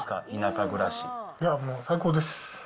いやもう、最高です。